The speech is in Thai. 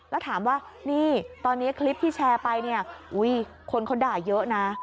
แล้วถามว่านี่ตอนนี้คลิปที่แชร์ไปเนี่ยคนเขาด่าเยอะนะ